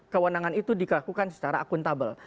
kewenangan itu dilakukan secara akuntabel